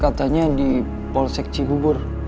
katanya di polsek cihubur